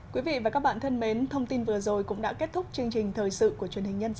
quý vị và các bạn thân mến thông tin vừa rồi cũng đã kết thúc chương trình thời sự của truyền hình nhân dân